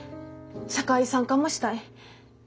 社会参加もしたい。